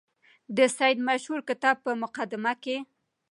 د سید مشهور کتاب په مقدمه کې.